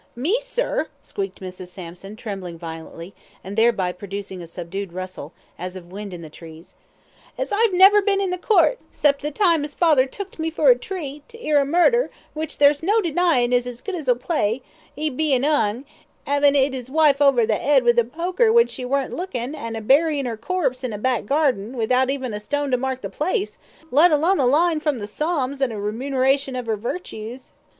"Me, sir!" squeaked Mrs. Sampson, trembling violently, and thereby producing a subdued rustle, as of wind in the trees. "As I've never bin in the court, 'cept the time as father tooked me for a treat, to 'ear a murder, which there's no denyin' is as good as a play, 'e bein' 'ung, 'avin' 'it 'is wife over the 'ead with the poker when she weren't lookin', and a berryin' 'er corpse in a back garding, without even a stone to mark the place, let alone a line from the Psalms and a remuneration of 'er virtues."